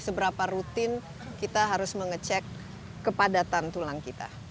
seberapa rutin kita harus mengecek kepadatan tulang kita